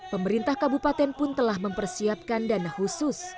pemerintah kabupaten pun telah mempersiapkan dana khusus